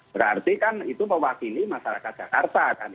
berarti kan itu mewakili masyarakat jakarta kan